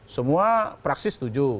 semua fraksi setuju